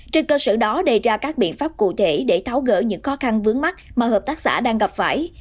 trên cơ sở đó đề ra các biện pháp cụ thể để tháo gỡ những khó khăn vướng mắt mà hợp tác xã đang gặp phải